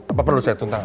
apa perlu saya tuntang